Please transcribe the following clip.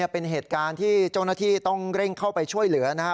เป็นเหตุการณ์ที่เจ้าหน้าที่ต้องเร่งเข้าไปช่วยเหลือนะครับ